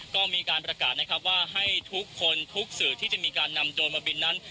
ก็มีการประกาศนะครับว่าให้ทุกคนทุกสื่อที่จะมีการนำโดรนมาบินนั้น